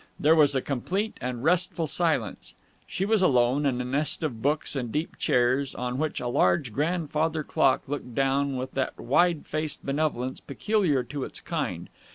There was a complete and restful silence. She was alone in a nest of books and deep chairs, on which a large grandfather clock looked down with that wide faced benevolence peculiar to its kind.